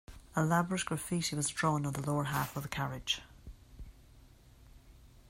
Elaborate graffiti was drawn on the lower half of the carriage.